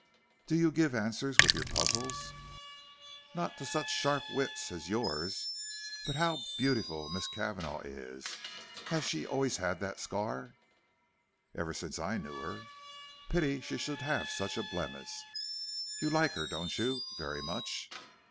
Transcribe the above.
"Do you give answers with your puzzles?" "Not to such sharp wits as yours. But how beautiful Miss Cavanagh is. Has she always had that scar?" "Ever since I knew her." "Pity she should have such a blemish. You like her, don't you, very much?"